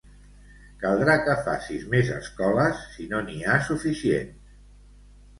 Caldrà que facis més escoles, si no n'hi ha suficients.